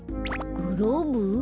グローブ？